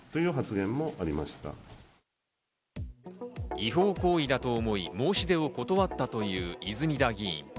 違法行為だと思い、申し出を断ったという泉田議員。